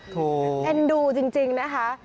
โถ้นั่นดูจริงนะคะ